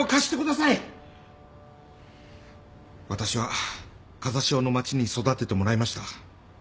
私は風汐の町に育ててもらいました。